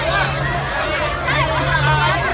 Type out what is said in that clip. ก็ไม่มีเวลาให้กลับมาเท่าไหร่